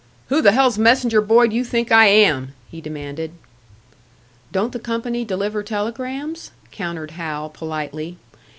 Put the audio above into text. "Who the hell's messenger boy do you think I am?" he demanded. "Don't the company deliver telegrams?" countered Hal, politely.